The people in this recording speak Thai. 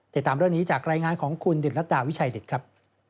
ติดตามเรื่องนี้จากรายงานของคุณดิตรดาวิชัยดิตครับ